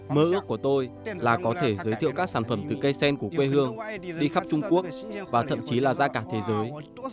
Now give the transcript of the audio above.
mơ ước của tôi là có thể giới thiệu các sản phẩm từ cây sen của quê hương đi khắp trung quốc và thậm chí là ra cả thế giới